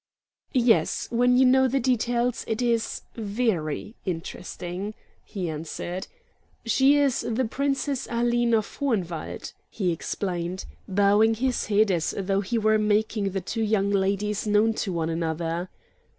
"Yes, when you know the details, it is, VERY interesting," he answered. "She is the Princess Aline of Hohenwald," he explained, bowing his head as though he were making the two young ladies known to one another.